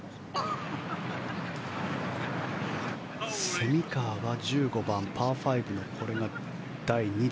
蝉川は１５番、パー５のこれが第２打。